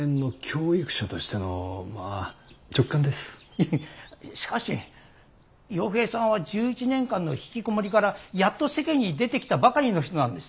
いやしかし陽平さんは１１年間のひきこもりからやっと世間に出てきたばかりの人なんです。